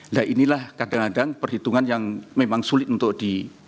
nah inilah kadang kadang perhitungan yang memang sulit untuk di